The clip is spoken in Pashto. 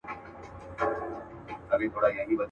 که ګوربت سي زموږ پاچا موږ یو بېغمه.